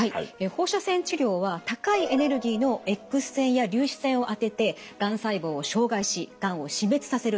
放射線治療は高いエネルギーのＸ線や粒子線を当ててがん細胞を傷害しがんを死滅させるという治療法です。